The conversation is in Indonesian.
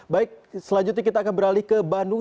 baik selanjutnya kita akan beralih ke bandung